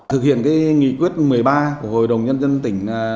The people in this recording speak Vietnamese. thực hiện nghị quyết một mươi ba của hội đồng nhân dân tỉnh